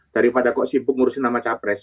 daripada kok sibuk ngurusin nama capres